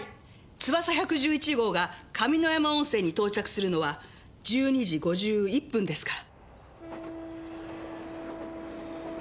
つばさ１１１号がかみのやま温泉に到着するのは１２時５１分ですから。